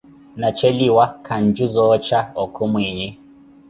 Na cheliwa, kanjo za oocha okho mwiinyi.